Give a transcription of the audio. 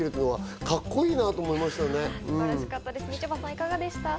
いかがでしたか。